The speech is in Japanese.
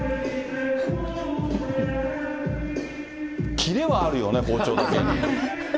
キレはあるよね、包丁だけに。